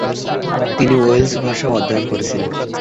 তিনি ওয়েলশ ভাষাও অধ্যয়ন করেছিলেন।